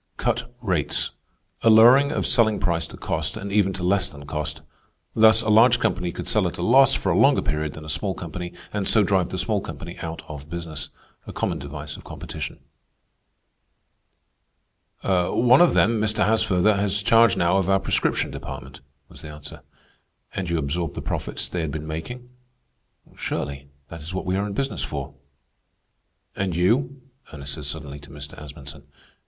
A lowering of selling price to cost, and even to less than cost. Thus, a large company could sell at a loss for a longer period than a small company, and so drive the small company out of business. A common device of competition. "One of them, Mr. Haasfurther, has charge now of our prescription department," was the answer. "And you absorbed the profits they had been making?" "Surely. That is what we are in business for." "And you?" Ernest said suddenly to Mr. Asmunsen.